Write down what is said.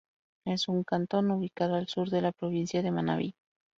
Es un cantón ubicado al sur de la provincia de Manabí.